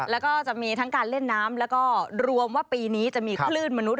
แล้วก็จะมีทั้งการเล่นน้ำแล้วก็รวมว่าปีนี้จะมีคลื่นมนุษย